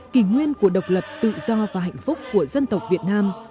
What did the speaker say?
kỷ nguyên của độc lập tự do và hạnh phúc của dân tộc việt nam